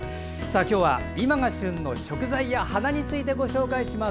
今日は今が旬の食材や花についてご紹介します。